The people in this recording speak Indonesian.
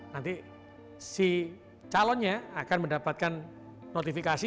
nanti si calonnya akan mendapatkan notifikasi